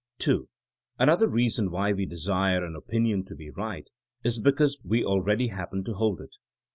(2) Another reason why we desire an opin ion to be right is because we already happen to hold it.